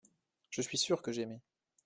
Je suis sûr que j’aimai.